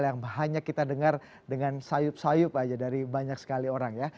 yang banyak kita dengar dengan sayup sayup aja dari banyak sekali orang ya